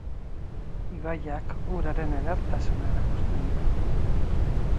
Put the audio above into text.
Ibaiak uraren edertasuna erakusten du.